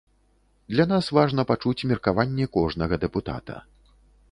Для нас важна пачуць меркаванне кожнага дэпутата.